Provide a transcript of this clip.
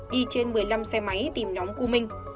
đi trên một mươi năm xe máy tìm nhóm cư minh